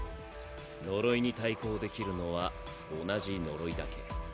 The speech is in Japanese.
呪いに対抗できるのは同じ呪いだけ。